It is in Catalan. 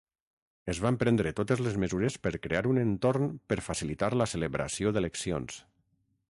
Es van prendre totes les mesures per crear un entorn per facilitar la celebració d'eleccions.